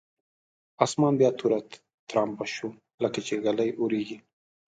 اسمان بیا توره ترامبه شو لکچې ږلۍ اورېږي.